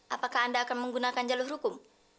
apakah anda akan menggunakan jalur hukum